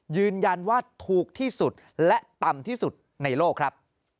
ยืนยันว่าถูกที่สุดและต่ำที่สุดในโลกครับ